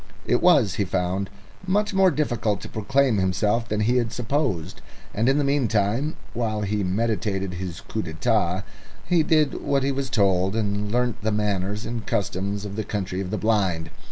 It was, he found, much more difficult to proclaim himself than he had supposed, and in the meantime, while he meditated his coup d'état, he did what he was told and learnt the manners and customs of the Country of the Blind.